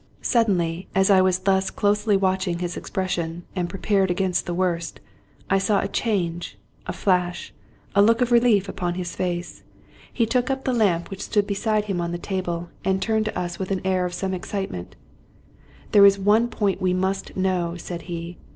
Suddenly, as I was thus closely watching his expression and prepared against the worst, I saw a change, a flash, a look of relief, upon his face. He took up the lamp which 20I Scotch Mystery Stories stood beside him on the table, and turned to us with an air of some excitement. " There is one point that we must know," said he.